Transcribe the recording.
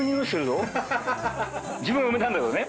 自分が埋めたんだけどね。